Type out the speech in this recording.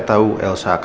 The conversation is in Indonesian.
penyakit yang menyebabkan